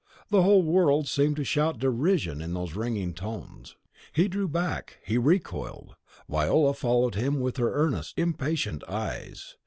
The whole world seemed to shout derision in those ringing tones. He drew back, he recoiled. Viola followed him with her earnest, impatient eyes.